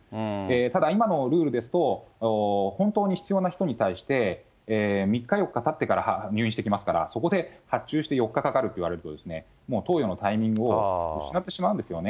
ただ、今のルールですと、本当に必要な人に対して、３日、４日たってから入院してきますから、そこで発注して４日かかるといわれるとですね、もう投与のタイミングを失ってしまうんですよね。